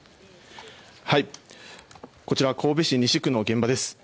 こちら、神戸市西区の現場です。